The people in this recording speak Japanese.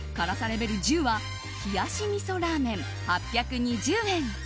レベル１０は冷し味噌ラーメン、８２０円。